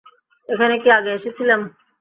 এখানে কি আগে এসেছিলাম?